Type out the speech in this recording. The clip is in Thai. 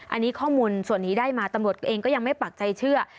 อันนี้ข้อมูลส่วนนี้ได้มาตำรวจเองก็ยังไม่ปักใจเชื่อ